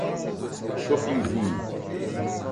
Chopinzinho